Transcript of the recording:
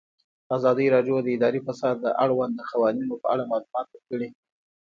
ازادي راډیو د اداري فساد د اړونده قوانینو په اړه معلومات ورکړي.